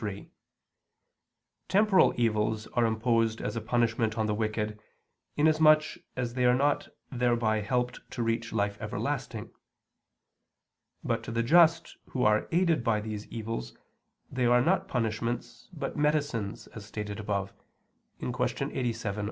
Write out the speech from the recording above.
3: Temporal evils are imposed as a punishment on the wicked, inasmuch as they are not thereby helped to reach life everlasting. But to the just who are aided by these evils they are not punishments but medicines as stated above (Q. 87, A.